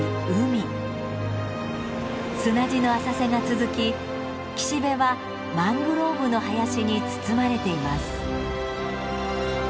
砂地の浅瀬が続き岸辺はマングローブの林に包まれています。